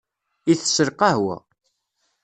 Itess lqahwa.